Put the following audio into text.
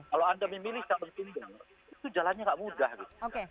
kalau anda memilih calon tunggal itu jalannya nggak mudah gitu